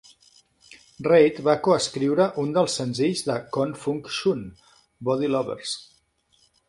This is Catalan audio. Reid va coescriure un dels senzills de Con Funk Shun, "Body Lovers".